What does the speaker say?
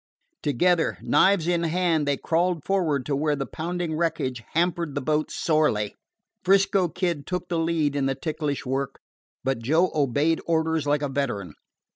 Together, knives in hand, they crawled forward to where the pounding wreckage hampered the boat sorely. 'Frisco Kid took the lead in the ticklish work, but Joe obeyed orders like a veteran.